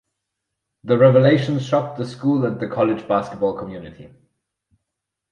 The revelations shocked the school and the college basketball community.